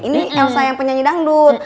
ini elsa yang penyanyi dangdut